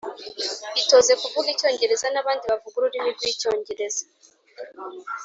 Itoze kuvuga icyongereza n abandi bavuga ururimi rw icyongereza